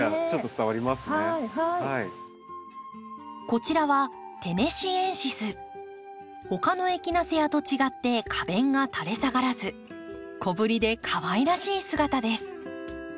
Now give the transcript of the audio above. こちらは他のエキナセアと違って花弁がたれ下がらず小ぶりでかわいらしい姿です。